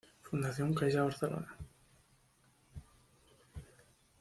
Fundación Caixa Barcelona.